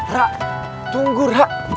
ra tunggu ra